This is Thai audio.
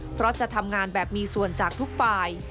เพราะจะทำงานแบบมีส่วนจากทุกฝ่าย